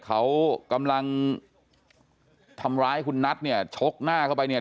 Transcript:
เขากำลังทำร้ายคุณนัทเนี่ยชกหน้าเข้าไปเนี่ย